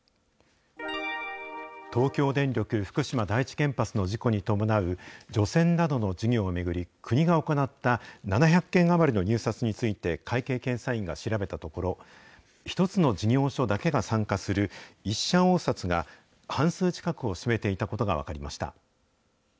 東京電力福島第一原発の事故に伴う、除染などの事業を巡り、国が行った７００件余りの入札について、会計検査院が調べたところ、１つの事業所だけが参加する、１者応札が半数近くを占めていたことが分かりました。